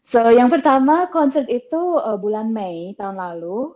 so yang pertama konser itu bulan mei tahun lalu